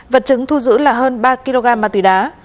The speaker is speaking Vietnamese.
vật chứng thu giữ là hơn ba kg ma túy đá